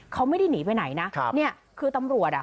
เขาไม่ได้หนีไปไหนนะครับเนี่ยคือตำรวจอ่ะ